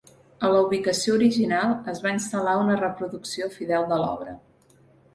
A la ubicació original es va instal·lar una reproducció fidel de l'obra.